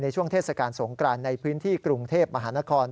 ในช่วงเทศกาลสงกรรณ์ในพื้นที่กรุงเทพอาหารกร